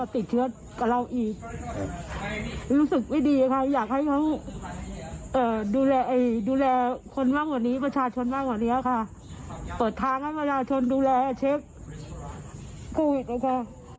เปิดทางให้ประชาชนดูแลเช็คโควิดค่ะ